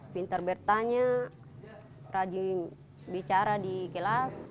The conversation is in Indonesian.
pintar bertanya rajin bicara di kelas